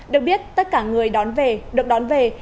được biết tất cả người đón về được đón về